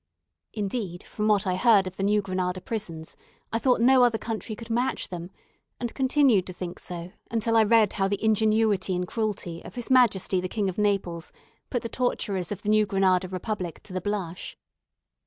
Indeed, from what I heard of the New Granada prisons, I thought no other country could match them, and continued to think so until I read how the ingenuity in cruelty of his Majesty the King of Naples put the torturers of the New Granada Republic to the blush.